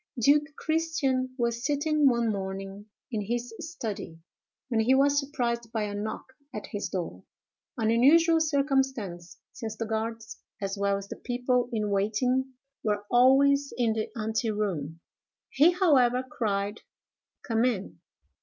Duke Christian was sitting one morning in his study, when he was surprised by a knock at his door—an unusual circumstance, since the guards as well as the people in waiting were always in the ante room. He, however, cried, "Come in!"